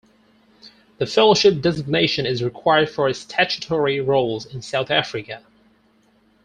The Fellowship designation is required for statutory roles in South Africa.